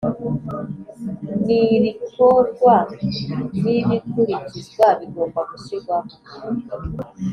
Nirikorwa n’ibikurikizwa bigomba gushyirwaho